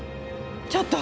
ちょっと！